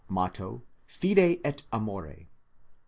Motto : Fide et amore.